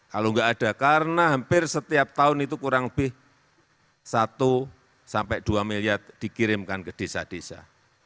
kalau nggak ada karena hampir setiap tahun itu kurang lebih satu sampai dua miliar dikirimkan ke desa desa